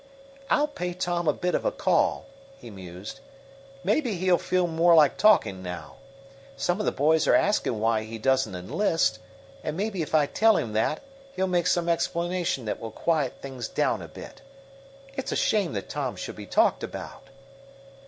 "I'll pay Tom a bit of a call," he mused. "Maybe he'll feel more like talking now. Some of the boys are asking why he doesn't enlist, and maybe if I tell him that he'll make some explanation that will quiet things down a bit. It's a shame that Tom should be talked about."